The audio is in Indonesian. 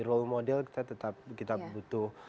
role model kita tetap kita butuh